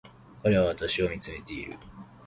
彼は私を見つめている